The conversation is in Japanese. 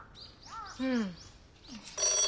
うん。